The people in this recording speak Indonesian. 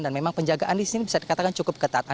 dan memang penjagaan di sini bisa dikatakan cukup ketat